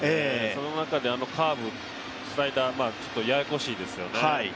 その中であのカーブ、スライダー、ややこしいですよね。